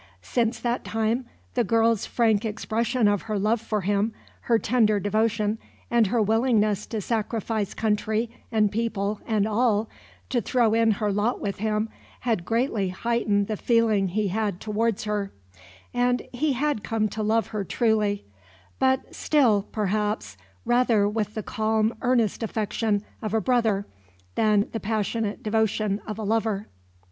Since that time, the girl's frank expression of her love for him, her tender devotion, and her willingness to sacrifice country, and people, and all, to throw in her lot with him, had greatly heightened the feeling he had towards her; and he had come to love her truly; but still, perhaps, rather with the calm earnest affection of a brother, than the passionate devotion of a lover.